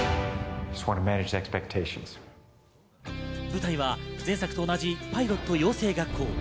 舞台は前作と同じパイロット養成学校。